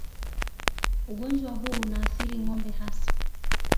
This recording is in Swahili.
Ugonjwa huu unaathiri ng'ombe hasa